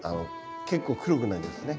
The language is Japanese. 結構黒くなりますね。